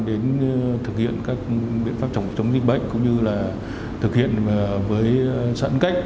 đến thực hiện các biện pháp chống dịch bệnh cũng như là thực hiện với sẵn cách